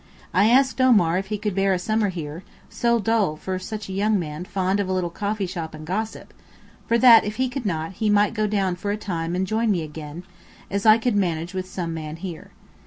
I asked Omar if he could bear a summer here, so dull for a young man fond of a little coffee shop and gossip, for that, if he could not, he might go down for a time and join me again, as I could manage with some man here.